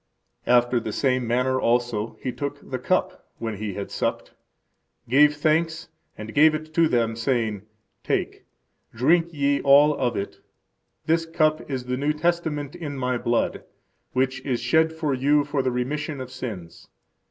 After the same manner also He took the cup, when He had supped, gave thanks, and gave it to them, saying, Take, drink ye all of it. This cup is the new testament in My blood, which is shed for you for the remission of sins.